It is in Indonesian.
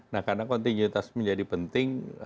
nah karena kontinuitas menjadi penting